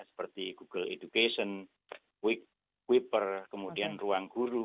seperti google education weeper kemudian ruangguru